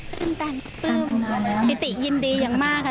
เบิ้มปริติยินดีอย่างมากค่ะ